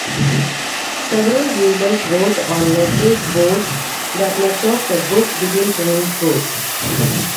Several readers wrote on message boards that much of the book didn't ring true.